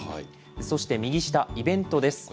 そして右下、イベントです。